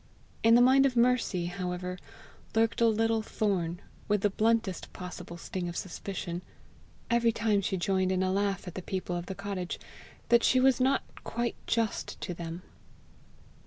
In the mind of Mercy, however, lurked a little thorn, with the bluntest possible sting of suspicion, every time she joined in a laugh at the people of the cottage, that she was not quite just to them.